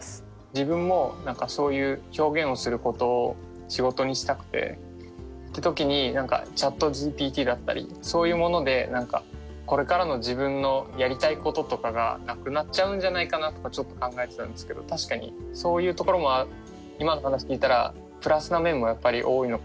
自分もそういう表現をすることを仕事にしたくてって時にチャットＧＰＴだったりそういうものでこれからの自分のやりたいこととかがなくなっちゃうんじゃないかなとちょっと考えてたんですけど確かにそういうところも今の話聞いたらプラスな面もやっぱり多いのかな。